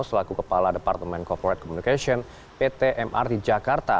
selaku kepala departemen corporate communication pt mrt jakarta